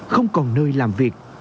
không còn nơi làm việc